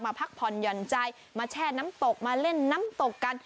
พักผ่อนหย่อนใจมาแช่น้ำตกมาเล่นน้ำตกกัน